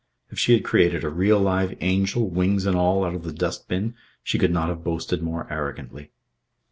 If she had created a real live angel, wings and all, out of the dust bin, she could not have boasted more arrogantly.